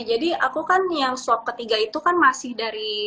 aku kan yang swab ketiga itu kan masih dari